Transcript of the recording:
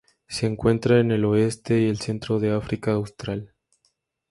Se encuentra en el oeste y centro de África austral.